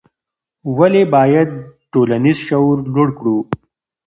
ولې باید ټولنیز شعور لوړ کړو؟